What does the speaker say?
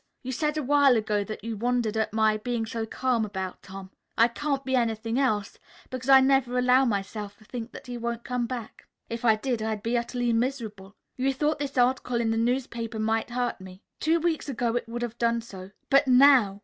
"You said a while ago that you wondered at my being so calm about Tom. I can't be anything else, because I never allow myself to think that he won't come back. If I did, I'd be utterly miserable. You thought this article in the newspaper might hurt me. Two weeks ago it would have done so. But now!